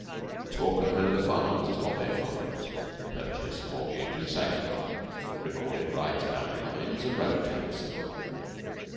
The talk of the men of the farms is of their farms purchase, mortgage, and sale, recorded rights, boundary lines, and road tax.